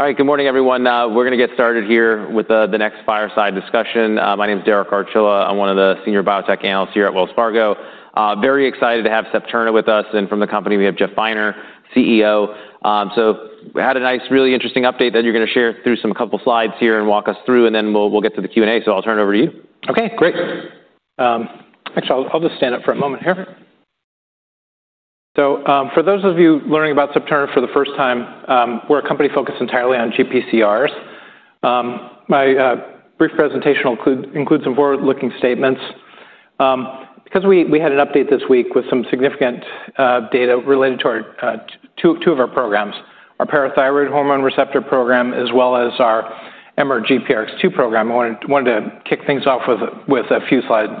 All right, good morning, everyone. We're going to get started here with the next fireside discussion. My name is Derek Archila. I'm one of the Senior Biotech Analysts here at Wells Fargo. Very excited to have Septerna with us. From the company, we have Jeff Finer, CEO. We had a nice, really interesting update that you're going to share through some couple of slides here and walk us through, and then we'll get to the Q&A. I'll turn it over to you. OK, great. Actually, I'll just stand up for a moment here. For those of you learning about Septerna for the first time, we're a company focused entirely on GPCRs. My brief presentation will include some forward-looking statements. Because we had an update this week with some significant data related to two of our programs, our parathyroid hormone receptor program, as well as our MRGPRX2 program, I wanted to kick things off with a few slides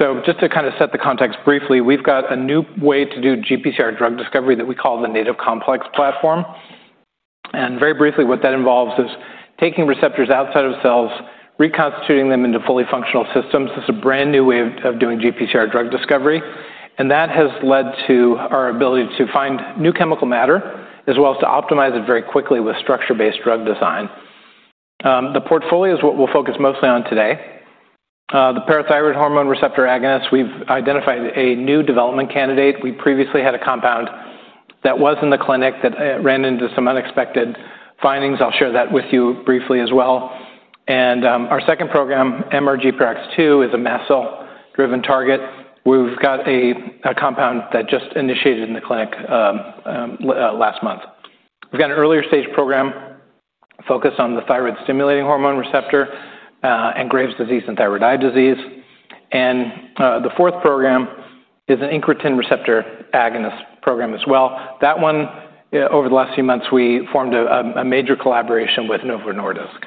update. To set the context briefly, we've got a new way to do GPCR drug discovery that we call the Native Complex Platform. Very briefly, what that involves is taking receptors outside of cells, reconstituting them into fully functional systems. It's a brand new way of doing GPCR drug discovery. That has led to our ability to find new chemical matter, as well as to optimize it very quickly with structure-based drug design. The portfolio is what we'll focus mostly on today. The parathyroid hormone receptor agonists, we've identified a new development candidate. We previously had a compound that was in the clinic that ran into some unexpected findings. I'll share that with you briefly as well. Our second program, MRGPRX2, is a mast cell-driven target. We've got a compound that just initiated in the clinic last month. We've got an earlier stage program focused on the thyroid stimulating hormone receptor and Graves' disease and thyroid eye disease. The fourth program is an incretin receptor agonist program as well. Over the last few months, we formed a major collaboration with Novo Nordisk.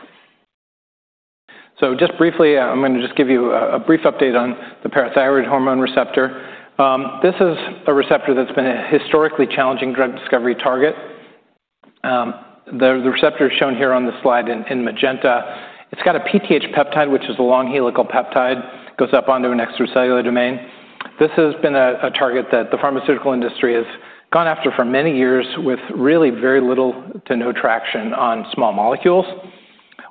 Briefly, I'm going to give you a brief update on the parathyroid hormone receptor. This is a receptor that's been a historically challenging drug discovery target. The receptor is shown here on the slide in magenta. It's got a PTH peptide, which is a long helical peptide. It goes up onto an extracellular domain. This has been a target that the pharmaceutical industry has gone after for many years with really very little to no traction on small molecules.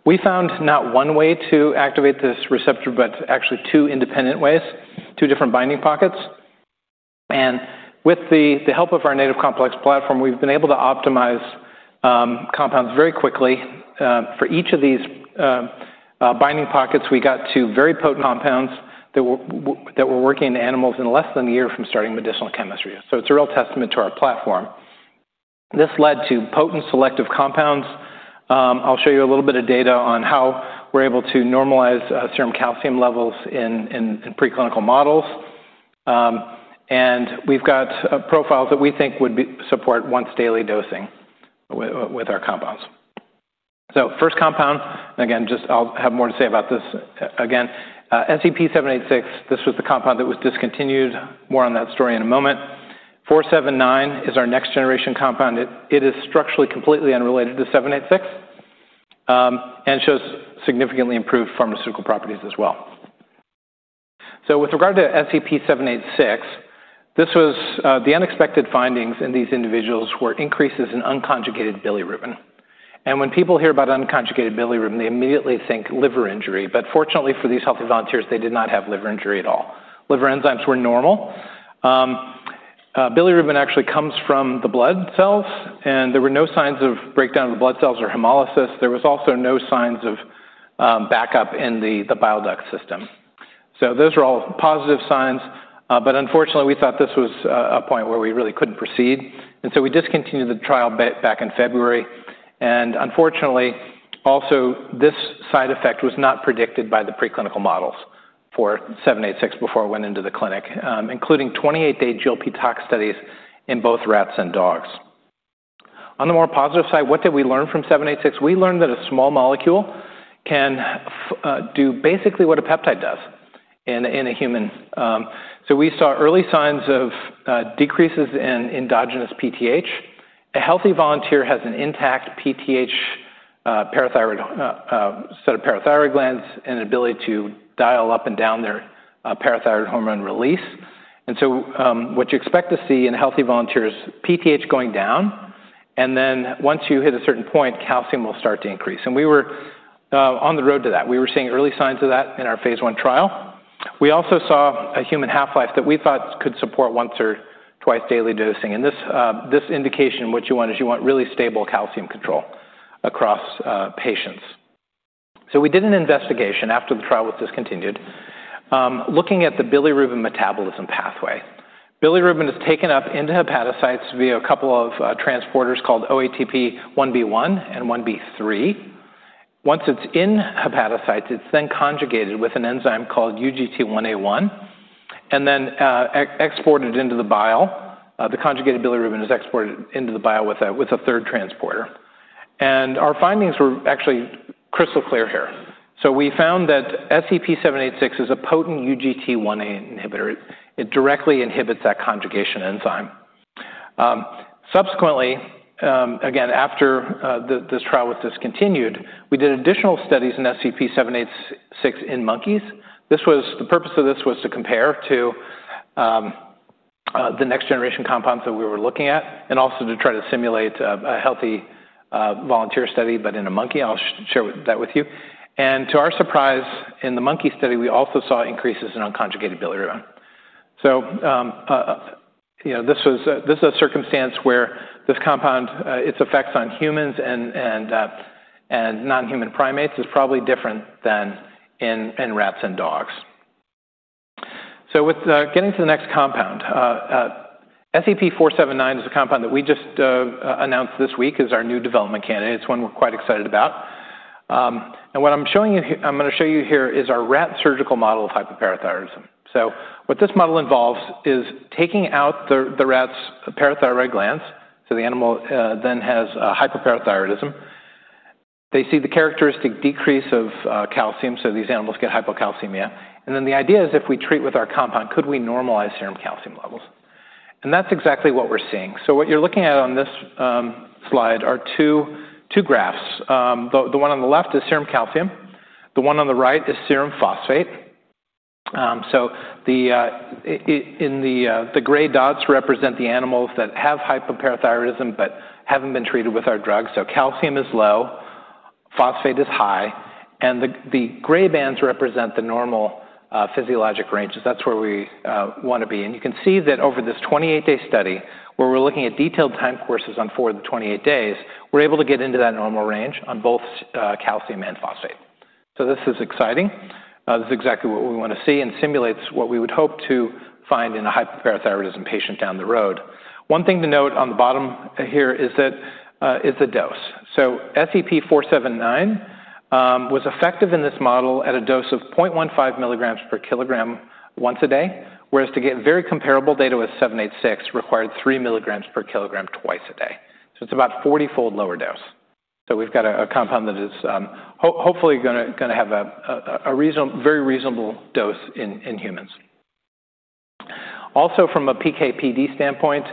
We found not one way to activate this receptor, but actually two independent ways, two different binding pockets. With the help of our Native Complex Platform, we've been able to optimize compounds very quickly. For each of these binding pockets, we got to very potent compounds that were working in animals in less than a year from starting medicinal chemistry. It's a real testament to our platform. This led to potent selective compounds. I'll show you a little bit of data on how we're able to normalize serum calcium levels in preclinical models. We've got profiles that we think would support once-daily dosing with our compounds. First compound, and again, I'll have more to say about this again, SEP-786. This was the compound that was discontinued. More on that story in a moment. [SEP-479] is our next-generation compound. It is structurally completely unrelated to [SEP-786] and shows significantly improved pharmaceutical properties as well. With regard to SEP-786, the unexpected findings in these individuals were increases in unconjugated bilirubin. When people hear about unconjugated bilirubin, they immediately think liver injury. Fortunately for these healthy volunteers, they did not have liver injury at all. Liver enzymes were normal. Bilirubin actually comes from the blood cells, and there were no signs of breakdown of the blood cells or hemolysis. There were also no signs of backup in the bile duct system. Those are all positive signs. Unfortunately, we thought this was a point where we really couldn't proceed. We discontinued the trial back in February. Unfortunately, also, this side effect was not predicted by the preclinical models for [SEP-786] before it went into the clinic, including 28-day [GLP-Toxicology] studies in both rats and dogs. On the more positive side, what did we learn from [SEP-786]? We learned that a small molecule can do basically what a peptide does in a human. We saw early signs of decreases in endogenous PTH. A healthy volunteer has an intact PTH set of parathyroid glands and an ability to dial up and down their parathyroid hormone release. What you expect to see in healthy volunteers is PTH going down. Once you hit a certain point, calcium will start to increase. We were on the road to that. We were seeing early signs of that in our phase one trial. We also saw a human half-life that we thought could support once or twice daily dosing. In this indication what you want is you want really stable calcium control across patients. We did an investigation after the trial was discontinued, looking at the bilirubin metabolism pathway. Bilirubin is taken up into hepatocytes via a couple of transporters called OATP1B1 and [OATP1B3]. Once it's in hepatocytes, it's then conjugated with an enzyme called UGT1A1 and then exported into the bile. The conjugated bilirubin is exported into the bile with a third transporter. Our findings were actually crystal clear here. We found that SEP-786 is a potent UGT1A1 inhibitor. It directly inhibits that conjugation enzyme. Subsequently, after this trial was discontinued, we did additional studies in SEP-786 in monkeys. The purpose of this was to compare to the next-generation compounds that we were looking at and also to try to simulate a healthy volunteer study, but in a monkey. I'll share that with you. To our surprise, in the monkey study, we also saw increases in unconjugated bilirubin. This is a circumstance where this compound, its effects on humans and non-human primates, is probably different than in rats and dogs. Getting to the next compound, SEP-479 is a compound that we just announced this week as our new development candidate. It's one we're quite excited about. What I'm going to show you here is our rat surgical model of hypoparathyroidism. What this model involves is taking out the rat's parathyroid glands. The animal then has hypoparathyroidism. They see the characteristic decrease of calcium. These animals get hypocalcemia. The idea is if we treat with our compound, could we normalize serum calcium levels? That's exactly what we're seeing. What you're looking at on this slide are two graphs. The one on the left is serum calcium. The one on the right is serum phosphate. The gray dots represent the animals that have hypoparathyroidism but haven't been treated with our drug. Calcium is low, phosphate is high. The gray bands represent the normal physiologic ranges. That's where we want to be. You can see that over this 28-day study, where we're looking at detailed time courses on 4 / 28 days, we're able to get into that normal range on both calcium and phosphate. This is exciting. This is exactly what we want to see and simulates what we would hope to find in a hypoparathyroidism patient down the road. One thing to note on the bottom here is the dose. SEP-479 was effective in this model at a dose of 0.15 mg/kg once a day, whereas to get very comparable data with [SEP-786] required 3 mg/kg twice a day. It's about 40-fold lower dose. We've got a compound that is hopefully going to have a very reasonable dose in humans. Also, from a PK/PD standpoint,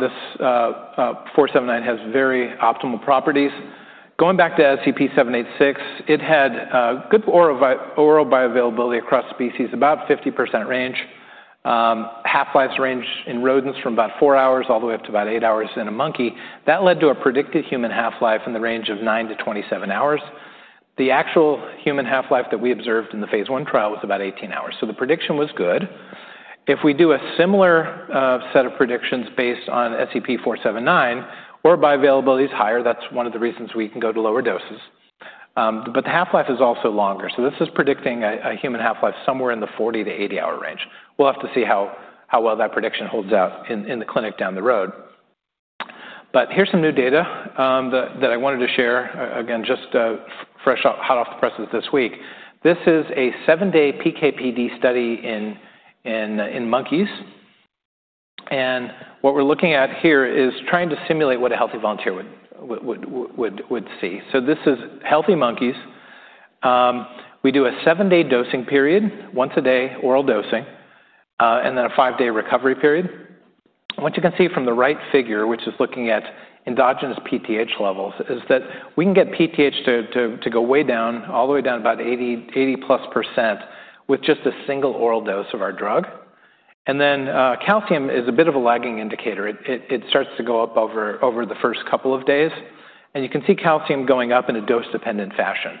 this [SEP-479] has very optimal properties. Going back to SEP-786, it had good oral bioavailability across species, about 50% range. Half-lives range in rodents from about four hours all the way up to about eight hours in a monkey. That led to a predicted human half-life in the range of 9 - 27 hours. The actual human half-life that we observed in the phase one trial was about 18 hours. The prediction was good. If we do a similar set of predictions based on SEP-479, our bioavailability is higher, that's one of the reasons we can go to lower doses. The half-life is also longer. This is predicting a human half-life somewhere in the 40 - 80 hour range. We will have to see how well that prediction holds out in the clinic down the road. Here's some new data that I wanted to share, just fresh hot off the press this week. This is a seven-day PK/PD study in monkeys. What we're looking at here is trying to simulate what a healthy volunteer would see. This is healthy monkeys. We do a seven-day dosing period, once a day oral dosing, and then a five-day recovery period. You can see from the right figure, which is looking at endogenous PTH levels, that we can get PTH to go way down, all the way down to about 80%+ with just a single oral dose of our drug. Calcium is a bit of a lagging indicator. It starts to go up over the first couple of days. You can see calcium going up in a dose-dependent fashion.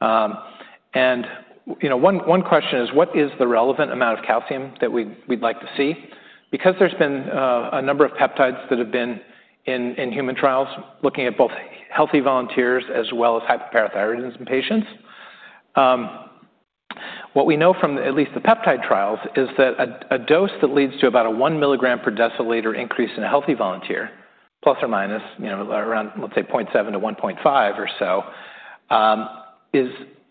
One question is, what is the relevant amount of calcium that we'd like to see? There have been a number of peptides that have been in human trials looking at both healthy volunteers as well as hypoparathyroidism patients. What we know from at least the peptide trials is that a dose that leads to about a 1 mg/dL increase in a healthy volunteer, plus or minus around, let's say, ±0.7 -± 1.5 or so,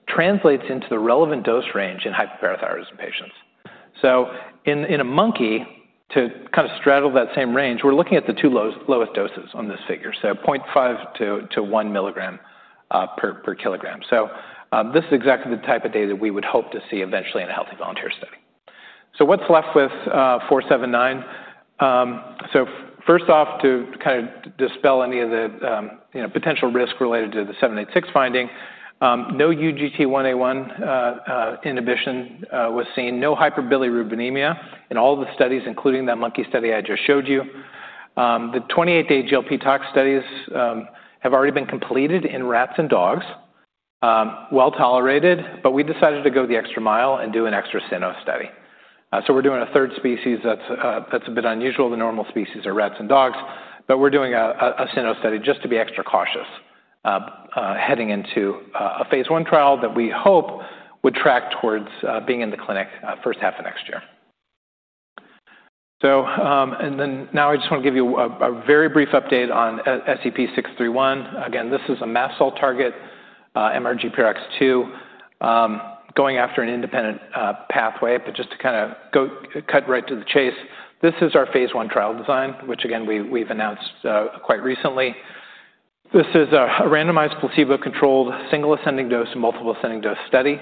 translates into the relevant dose range in hypoparathyroidism patients. In a monkey, to kind of straddle that same range, we're looking at the two lowest doses on this figure, so 0.5 - 1 mg/kg. This is exactly the type of data we would hope to see eventually in a healthy volunteer study. What's left with [SEP-479]? First off, to kind of dispel any of the potential risk related to the [SEP-786] finding, no UGT1A1 inhibition was seen, no hyperbilirubinemia in all the studies, including that monkey study I just showed you. The 28-day [GLP-Toxicology] studies have already been completed in rats and dogs, well tolerated. We decided to go the extra mile and do an extra Sino study. We're doing a third species that's a bit unusual. The normal species are rats and dogs. We're doing a Sino study just to be extra cautious, heading into a phase one trial that we hope would track towards being in the clinic first half of next year. Now I just want to give you a very brief update on SEP-631. This is a mast cell target, MRGPRX2, going after an independent pathway. To cut right to the chase, this is our phase one trial design, which we've announced quite recently. This is a randomized, placebo-controlled, single ascending dose and multiple ascending dose study.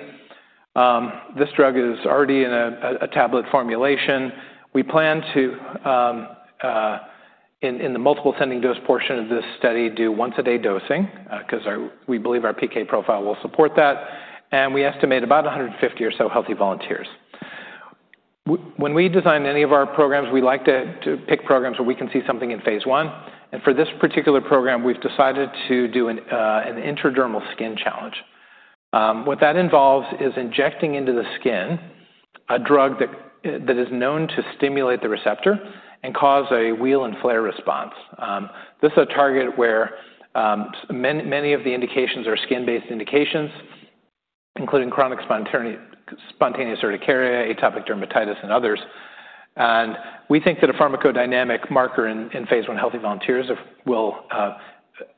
This drug is already in a tablet formulation. We plan to, in the multiple ascending dose portion of this study, do once-a-day dosing because we believe our PK profile will support that. We estimate about 150 or so healthy volunteers. When we design any of our programs, we like to pick programs where we can see something in phase one. For this particular program, we've decided to do an intradermal skin challenge. What that involves is injecting into the skin a drug that is known to stimulate the receptor and cause a wheal and flare response. This is a target where many of the indications are skin-based indications, including chronic spontaneous urticaria, atopic dermatitis, and others. We think that a pharmacodynamic marker in phase one healthy volunteers will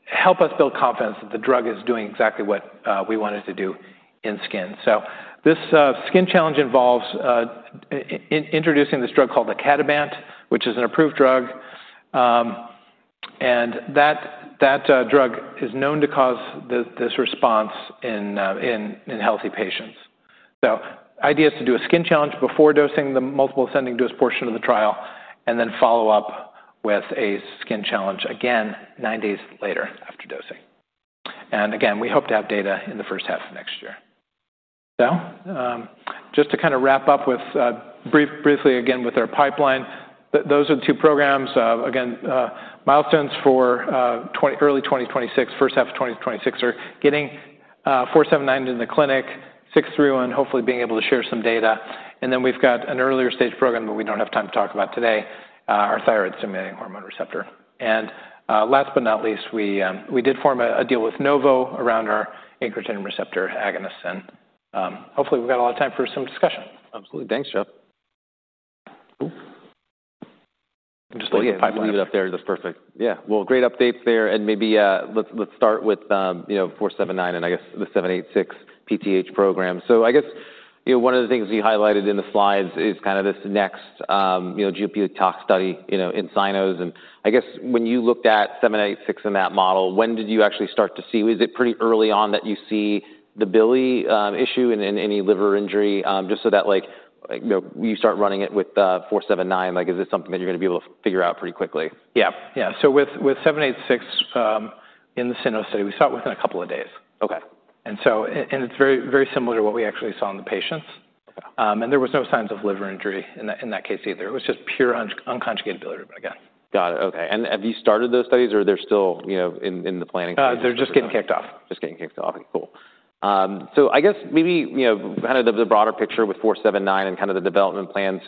help us build confidence that the drug is doing exactly what we want it to do in skin. This skin challenge involves introducing this drug called icatibant, which is an approved drug. That drug is known to cause this response in healthy patients. The idea is to do a skin challenge before dosing the multiple ascending dose portion of the trial and then follow up with a skin challenge again nine days later after dosing. We hope to have data in the first half of next year. To wrap up briefly again with our pipeline, those are the two programs. Milestones for early 2026, first half of 2026, are getting [SEP-479] into the clinic, [SEP-631] hopefully being able to share some data. We've got an earlier stage program that we don't have time to talk about today, our thyroid stimulating hormone receptor. Last but not least, we did form a deal with Novo Nordisk around our incretin receptor agonist. Hopefully, we've got a lot of time for some discussion. Absolutely. Thanks, Jeff. I'm just going to leave it up there. That's perfect. Great updates there. Maybe let's start with [SEP-479] and I guess the [SEP-786] PTH program. One of the things you highlighted in the slides is kind of this next [GLP-Toxicology] study in SINO. I guess when you looked at 786 in that model, when did you actually start to see? Is it pretty early on that you see the [bilirubin] issue and any liver injury? Just so that you start running it with [SEP-479], is this something that you're going to be able to figure out pretty quickly? Yeah, yeah. With SEP-786 in the SINO study, we saw it within a couple of days. It is very similar to what we actually saw in the patients. There were no signs of liver injury in that case either. It was just pure unconjugated bilirubin again. Got it. OK. Have you started those studies or are they still in the planning phase? They're just getting kicked off. Just getting kicked off. Cool. I guess maybe kind of the broader picture with [SEP-479] and kind of the development plan.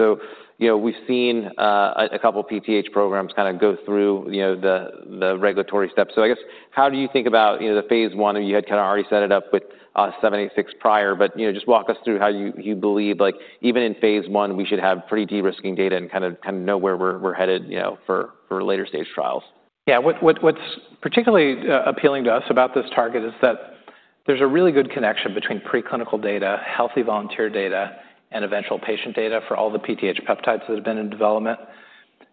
We've seen a couple of PTH programs kind of go through the regulatory steps. I guess how do you think about the phase one? You had kind of already set it up with [SEP- 786] prior. Just walk us through how you believe even in phase one, we should have pretty de-risking data and kind of know where we're headed for later stage trials. Yeah, what's particularly appealing to us about this target is that there's a really good connection between preclinical data, healthy volunteer data, and eventual patient data for all the PTH peptides that have been in development.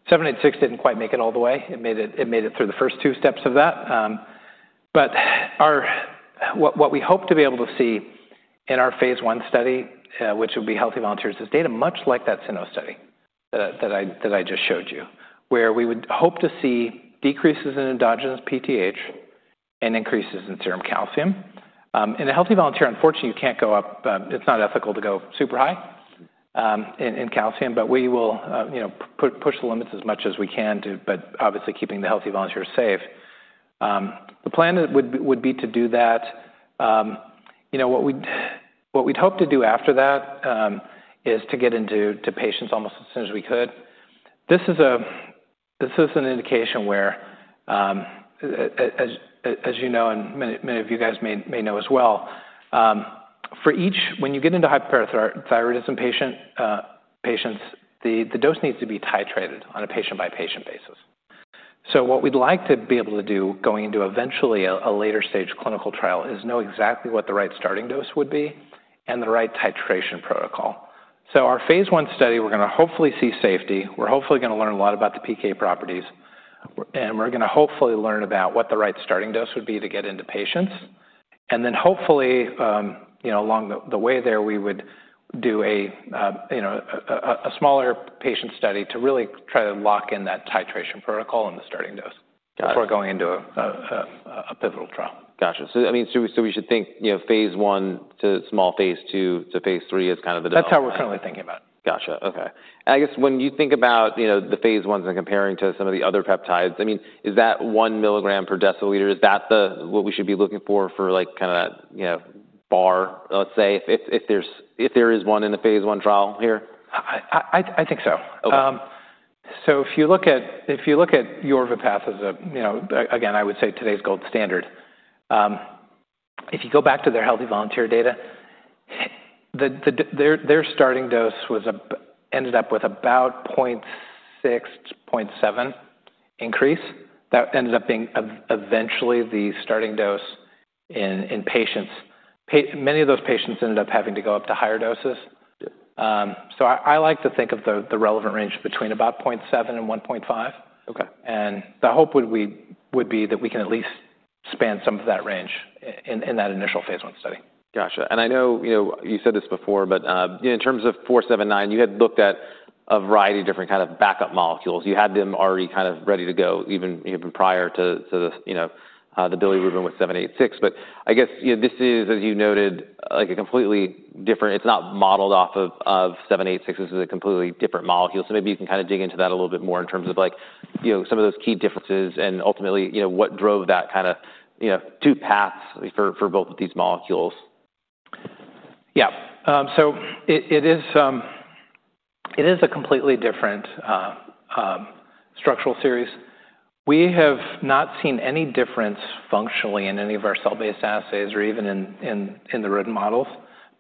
SEP-786 didn't quite make it all the way. It made it through the first two steps of that. What we hope to be able to see in our phase one study, which would be healthy volunteers, is data much like that SINO study that I just showed you, where we would hope to see decreases in endogenous PTH and increases in serum calcium. In a healthy volunteer, unfortunately, you can't go up. It's not ethical to go super high in calcium. We will push the limits as much as we can, obviously keeping the healthy volunteers safe. The plan would be to do that. What we'd hope to do after that is to get into patients almost as soon as we could. This is an indication where, as you know, and many of you guys may know as well, when you get into hypoparathyroidism patients, the dose needs to be titrated on a patient-by-patient basis. What we'd like to be able to do going into eventually a later stage clinical trial is know exactly what the right starting dose would be and the right titration protocol. Our phase one study, we're going to hopefully see safety. We're hopefully going to learn a lot about the PK properties. We're going to hopefully learn about what the right starting dose would be to get into patients. Hopefully, along the way there, we would do a smaller patient study to really try to lock in that titration protocol and the starting dose before going into a pivotal trial. Gotcha. I mean, we should think phase one to small phase two to phase three is kind of the development. That's how we're currently thinking about it. Gotcha. OK. I guess when you think about the phase ones and comparing to some of the other peptides, is that 1 mg/dL? Is that what we should be looking for for kind of that bar, let's say, if there is one in the phase one trial here? I think so. If you look at Yorvipath, again, I would say today's gold standard. If you go back to their healthy volunteer data, their starting dose ended up with about 0.6 - 0.7 increase. That ended up being eventually the starting dose in patients. Many of those patients ended up having to go up to higher doses. I like to think of the relevant range between about 0.7 - 1.5. The hope would be that we can at least span some of that range in that initial phase one study. Gotcha. I know you said this before, but in terms of [SEP- 479], you had looked at a variety of different kind of backup molecules. You had them already kind of ready to go even prior to the bilirubin with [SEP- 786]. I guess this is, as you noted, a completely different, it's not modeled off of [SEP- 786]. This is a completely different molecule. Maybe you can kind of dig into that a little bit more in terms of some of those key differences and ultimately what drove that kind of two paths for both of these molecules. It is a completely different structural series. We have not seen any difference functionally in any of our cell-based assays or even in the rodent models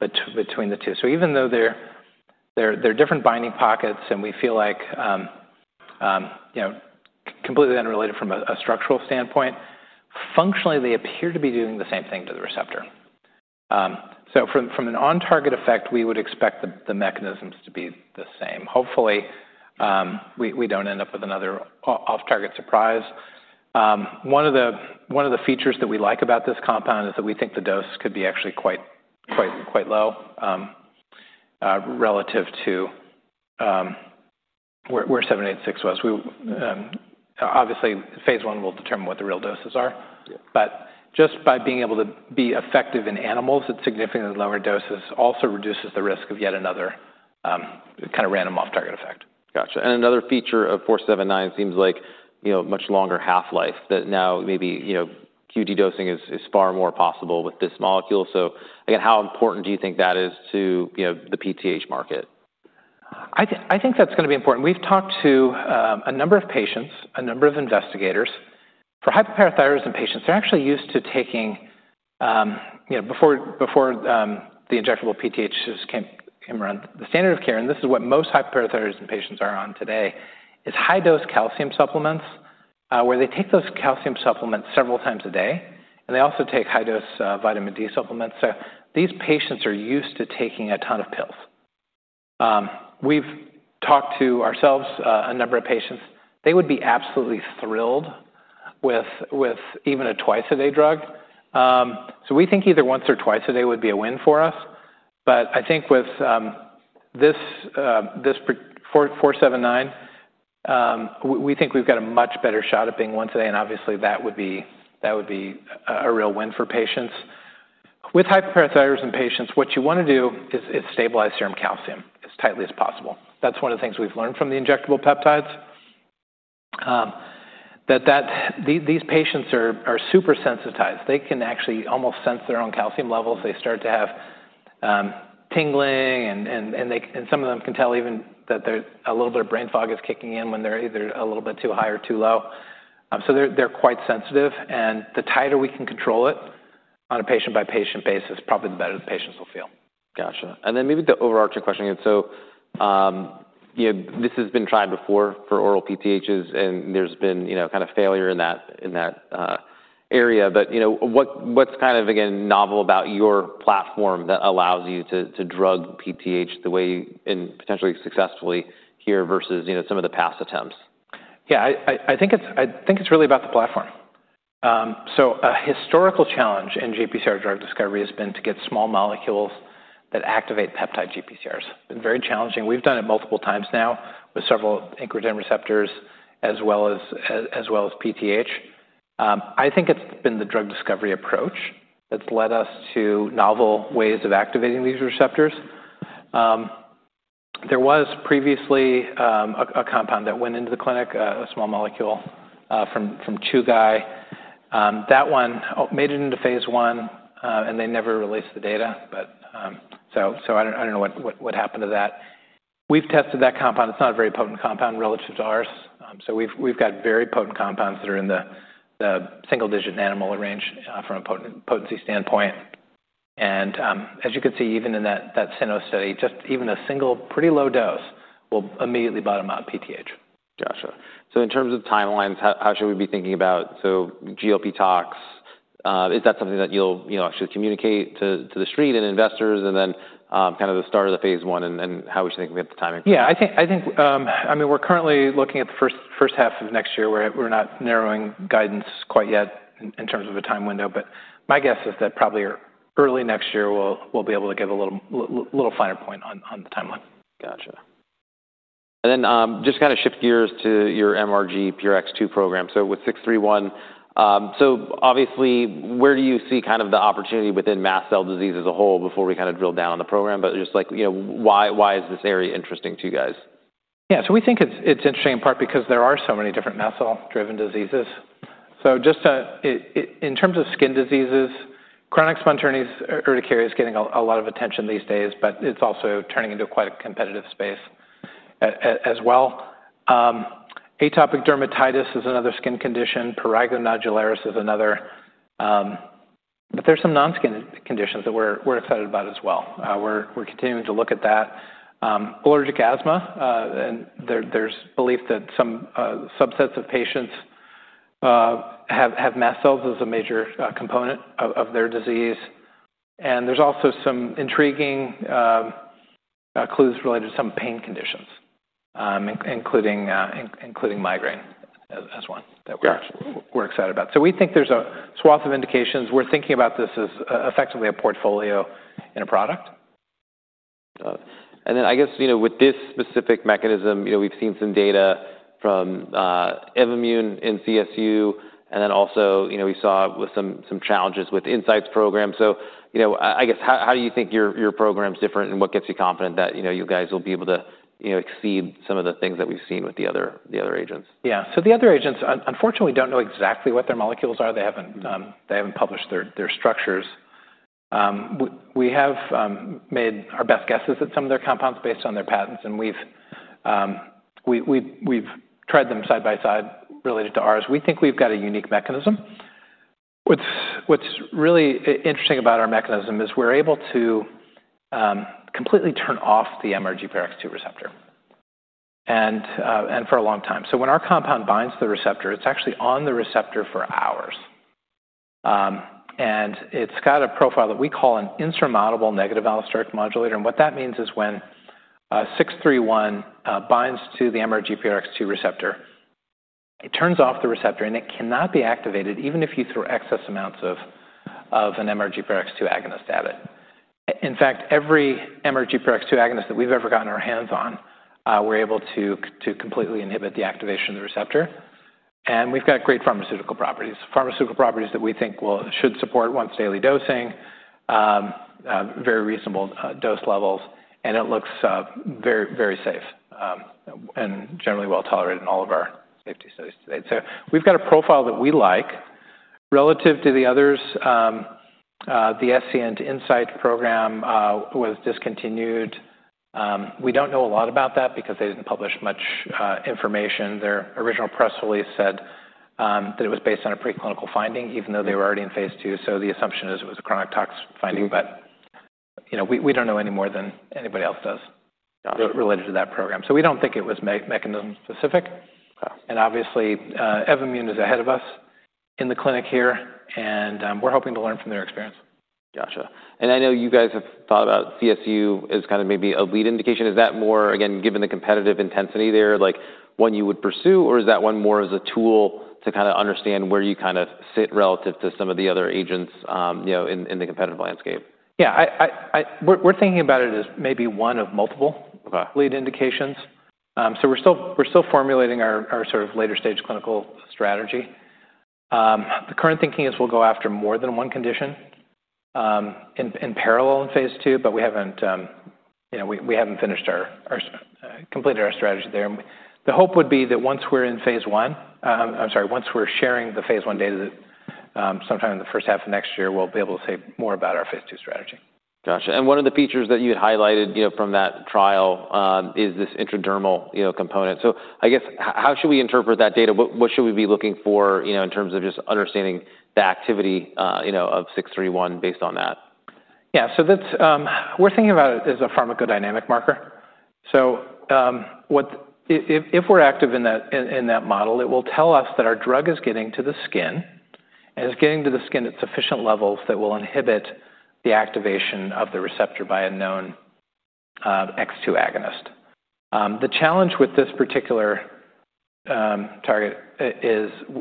between the two. Even though they're different binding pockets and we feel like completely unrelated from a structural standpoint, functionally, they appear to be doing the same thing to the receptor. From an on-target effect, we would expect the mechanisms to be the same. Hopefully, we don't end up with another off-target surprise. One of the features that we like about this compound is that we think the dose could be actually quite low relative to where SEP-786 was. Obviously, phase one will determine what the real doses are. Just by being able to be effective in animals at significantly lower doses also reduces the risk of yet another kind of random off-target effect. Gotcha. Another feature of SEP-479 seems like a much longer half-life that now maybe q.d. dosing is far more possible with this molecule. Again, how important do you think that is to the PTH market? I think that's going to be important. We've talked to a number of patients, a number of investigators. For hypoparathyroidism patients, they're actually used to taking, before the injectable PTH came around, the standard of care. This is what most hypoparathyroidism patients are on today: high-dose calcium supplements, where they take those calcium supplements several times a day. They also take high-dose vitamin D supplements. These patients are used to taking a ton of pills. We've talked to a number of patients. They would be absolutely thrilled with even a twice-a-day drug. We think either once or twice a day would be a win for us. With this SEP-479, we think we've got a much better shot at being once a day. Obviously, that would be a real win for patients. With hypoparathyroidism patients, what you want to do is stabilize serum calcium as tightly as possible. That's one of the things we've learned from the injectable peptides, that these patients are super sensitized. They can actually almost sense their own calcium levels. They start to have tingling, and some of them can tell even that a little bit of brain fog is kicking in when they're either a little bit too high or too low. They're quite sensitive, and the tighter we can control it on a patient-by-patient basis, probably the better the patients will feel. Gotcha. Maybe the overarching question again, this has been tried before for oral PTHs. There's been kind of failure in that area. What's kind of, again, novel about your platform that allows you to drug PTH the way and potentially successfully here versus some of the past attempts? Yeah, I think it's really about the platform. A historical challenge in GPCR drug discovery has been to get small molecules that activate peptide GPCRs. It's been very challenging. We've done it multiple times now with several incretin receptors as well as PTH. I think it's been the drug discovery approach that's led us to novel ways of activating these receptors. There was previously a compound that went into the clinic, a small molecule from Chugai. That one made it into phase one. They never released the data. I don't know what happened to that. We've tested that compound. It's not a very potent compound relative to ours. We've got very potent compounds that are in the single-digit nanomolar range from a potency standpoint. As you can see, even in that SINO study, just even a single pretty low dose will immediately bottom out PTH. Gotcha. In terms of timelines, how should we be thinking about [GLP-Toxicology]? Is that something that you'll actually communicate to the street and investors, and then the start of the phase one and how we should think about the timing? I think we're currently looking at the first half of next year. We're not narrowing guidance quite yet in terms of a time window. My guess is that probably early next year, we'll be able to give a little finer point on the timeline. Gotcha. Just kind of shift gears to your MRGPRX2 program. With [SEP- 631], where do you see the opportunity within mast cell disease as a whole before we drill down on the program? Just like why is this area interesting to you guys? Yeah, so we think it's interesting in part because there are so many different mast cell-driven diseases. Just in terms of skin diseases, chronic spontaneous urticaria is getting a lot of attention these days. It's also turning into quite a competitive space as well. Atopic dermatitis is another skin condition. Prurigo nodularis is another. There are some non-skin conditions that we're excited about as well. We're continuing to look at that. Allergic asthma, and there's belief that some subsets of patients have mast cells as a major component of their disease. There are also some intriguing clues related to some pain conditions, including migraine as one that we're excited about. We think there's a swath of indications. We're thinking about this as effectively a portfolio in a product. With this specific mechanism, we've seen some data from Evommune in CSU. We also saw some challenges with the insights program. How do you think your program's different, and what gets you confident that you guys will be able to exceed some of the things that we've seen with the other agents? Yeah, so the other agents, unfortunately, we don't know exactly what their molecules are. They haven't published their structures. We have made our best guesses at some of their compounds based on their patents, and we've tried them side by side related to ours. We think we've got a unique mechanism. What's really interesting about our mechanism is we're able to completely turn off the MRGPRX2 receptor for a long time. When our compound binds to the receptor, it's actually on the receptor for hours, and it's got a profile that we call an insurmountable negative allosteric modulator. What that means is when SEP-631 binds to the MRGPRX2 receptor, it turns off the receptor, and it cannot be activated even if you throw excess amounts of an MRGPRX2 agonist at it. In fact, every MRGPRX2 agonist that we've ever gotten our hands on, we're able to completely inhibit the activation of the receptor. We've got great pharmaceutical properties, pharmaceutical properties that we think should support once-daily dosing, very reasonable dose levels, and it looks very, very safe and generally well tolerated in all of our safety studies to date. We've got a profile that we like. Relative to the others, the SCN Insight program was discontinued. We don't know a lot about that because they didn't publish much information. Their original press release said that it was based on a preclinical finding even though they were already in phase two. The assumption is it was a chronic [toxicity] finding, but we don't know any more than anybody else does related to that program. We don't think it was mechanism-specific. Obviously, Evommune is ahead of us in the clinic here, and we're hoping to learn from their experience. Gotcha. I know you guys have thought about CSU as kind of maybe a lead indication. Is that more, again, given the competitive intensity there, one you would pursue? Is that one more as a tool to kind of understand where you kind of sit relative to some of the other agents in the competitive landscape? Yeah, we're thinking about it as maybe one of multiple lead indications. We're still formulating our sort of later stage clinical strategy. The current thinking is we'll go after more than one condition in parallel in phase two. We haven't completed our strategy there. The hope would be that once we're in phase one, I'm sorry, once we're sharing the phase one data, sometime in the first half of next year, we'll be able to say more about our phase two strategy. Gotcha. One of the features that you highlighted from that trial is this intradermal component. I guess how should we interpret that data? What should we be looking for in terms of just understanding the activity of [SEP- 631] based on that? Yeah, we're thinking about it as a pharmacodynamic marker. If we're active in that model, it will tell us that our drug is getting to the skin, and it's getting to the skin at sufficient levels that will inhibit the activation of the receptor by a known X2 agonist. The challenge with this particular target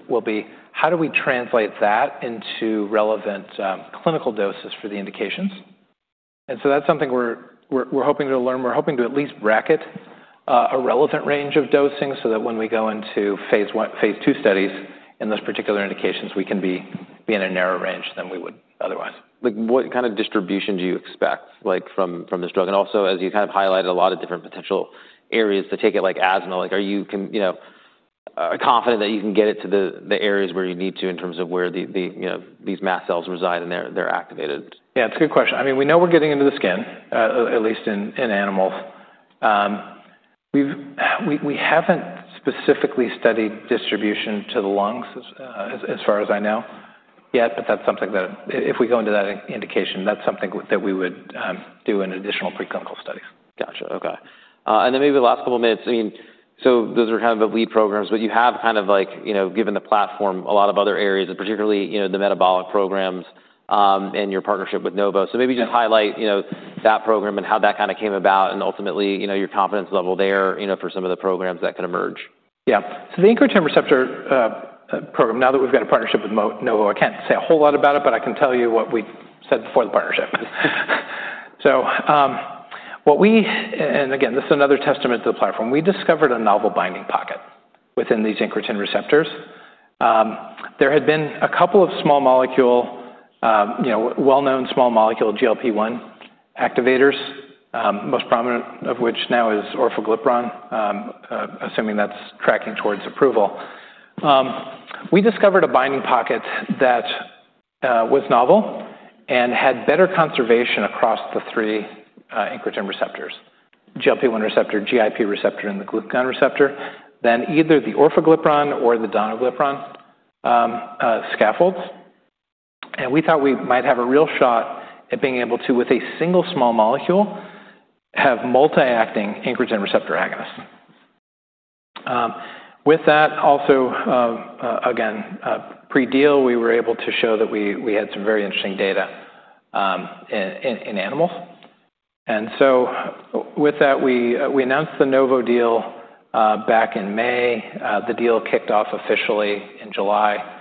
will be how do we translate that into relevant clinical doses for the indications. That's something we're hoping to learn. We're hoping to at least bracket a relevant range of dosing so that when we go into phase two studies in those particular indications, we can be in a narrower range than we would otherwise. What kind of distribution do you expect from this drug? Also, as you kind of highlighted a lot of different potential areas to take it, like asthma, are you confident that you can get it to the areas where you need to in terms of where these mast cells reside and they're activated? Yeah, it's a good question. I mean, we know we're getting into the skin, at least in animals. We haven't specifically studied distribution to the lungs as far as I know yet. That's something that if we go into that indication, that's something that we would do in additional preclinical studies. Gotcha. OK. In the last couple of minutes, I mean, those are kind of the lead programs. You have, given the platform, a lot of other areas, particularly the metabolic programs and your partnership with Novo Nordisk. Maybe just highlight that program and how that came about and ultimately your confidence level there for some of the programs that could emerge. Yeah, so the incretin receptor program, now that we've got a partnership with Novo Nordisk, I can't say a whole lot about it. I can tell you what we said before the partnership. What we, and again, this is another testament to the platform, we discovered a novel binding pocket within these incretin receptors. There had been a couple of small molecule, well-known small molecule GLP-1 activators, most prominent of which now is orforglipron, assuming that's tracking towards approval. We discovered a binding pocket that was novel and had better conservation across the three incretin receptors, GLP-1 receptor, GIP receptor, and the glucagon receptor than either the orforglipron or the danuglipron scaffolds. We thought we might have a real shot at being able to, with a single small molecule, have multi-acting incretin receptor agonists. With that, also, pre-deal, we were able to show that we had some very interesting data in animals. With that, we announced the Novo Nordisk deal back in May. The deal kicked off officially in July.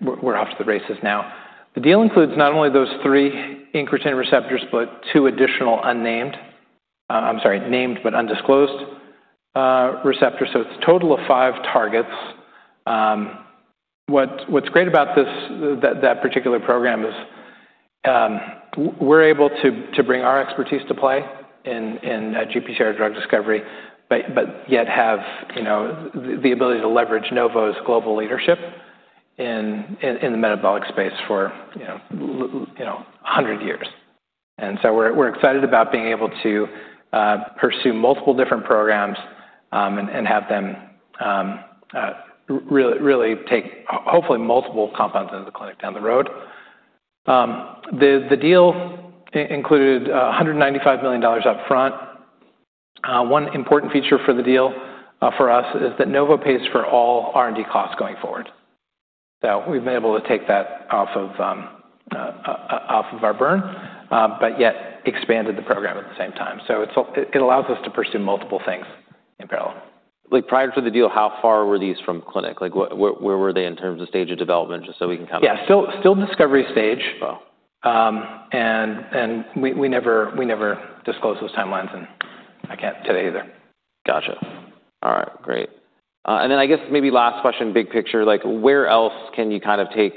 We're off to the races now. The deal includes not only those three incretin receptors, but two additional named but undisclosed receptors. It's a total of five targets. What's great about that particular program is we're able to bring our expertise to play in GPCR drug discovery, yet have the ability to leverage Novo Nordisk's global leadership in the metabolic space for 100 years. We're excited about being able to pursue multiple different programs and have them really take hopefully multiple compounds into the clinic down the road. The deal included $195 million upfront. One important feature for the deal for us is that Novo Nordisk pays for all R&D costs going forward. We've been able to take that off of our burn, yet expanded the program at the same time. It allows us to pursue multiple things in parallel. Prior to the deal, how far were these from clinic? Where were they in terms of stage of development, just so we can kind of? Yeah, still discovery stage. We never disclosed those timelines today either. Gotcha. All right, great. I guess maybe last question, big picture, where else can you kind of take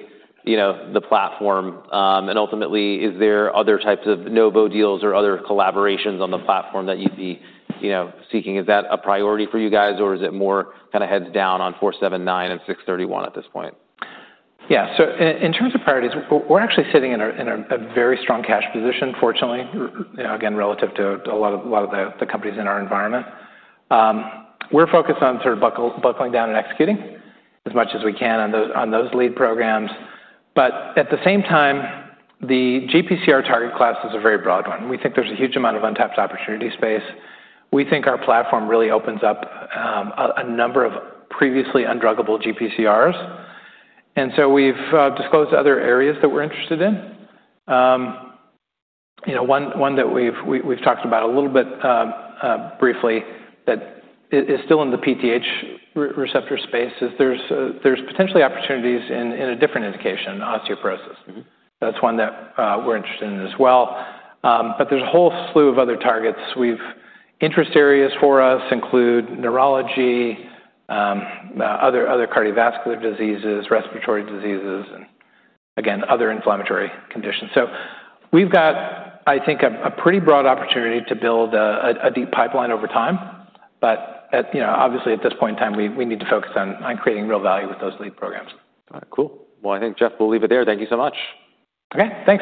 the platform? Ultimately, is there other types of Novo Nordisk deals or other collaborations on the platform that you'd be seeking? Is that a priority for you guys, or is it more kind of heads down on SEP-479 and SEP-631 at this point? Yeah, so in terms of priorities, we're actually sitting in a very strong cash position, fortunately, again, relative to a lot of the companies in our environment. We're focused on sort of buckling down and executing as much as we can on those lead programs. At the same time, the GPCR target class is a very broad one. We think there's a huge amount of untapped opportunity space. We think our platform really opens up a number of previously undruggable GPCRs. We've disclosed other areas that we're interested in. One that we've talked about a little bit briefly that is still in the PTH receptor space is there's potentially opportunities in a different indication, osteoporosis. That's one that we're interested in as well. There's a whole slew of other targets. Interest areas for us include neurology, other cardiovascular diseases, respiratory diseases, and again, other inflammatory conditions. We've got, I think, a pretty broad opportunity to build a deep pipeline over time. Obviously, at this point in time, we need to focus on creating real value with those lead programs. Got it. Cool. I think, Jeff, we'll leave it there. Thank you so much. OK, thanks.